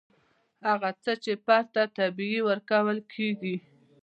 هغه څه چې فرد ته طبیعي ورکول کیږي.